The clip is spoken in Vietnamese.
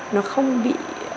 nó không bị